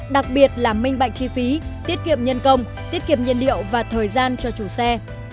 đặc biệt là minh bạch chi phí tiết kiệm nhân công tiết kiệm nhiên liệu và thời gian cho chủ xe